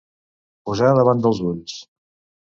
Posar davant dels ulls.